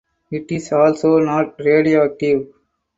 It is also not radioactive.